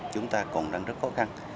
chúng ta còn đang rất khó khăn